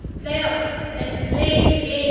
play up! and play the game!"